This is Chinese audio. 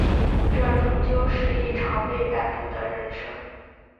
这终究是一场被摆布的人生